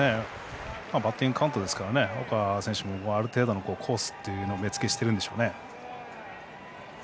バッティングカウントですから、岡選手もある程度のコースというのを目付けしているんでしょうね。